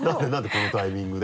このタイミングで？